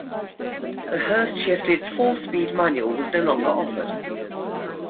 The Hurst-shifted four-speed manual was no longer offered.